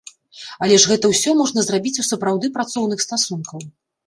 Але ж гэта ўсё можна зрабіць у сапраўды працоўных стасункаў.